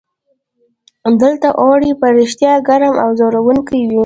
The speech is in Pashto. دلته اوړي په رښتیا ګرم او ځوروونکي وي.